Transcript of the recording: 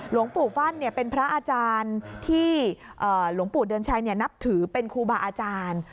หลวงปู่ฟั่นเป็นพระอาจารย์ที่หลวงปู่เดือนชัยนับถือเป็นครูบาอาจารย์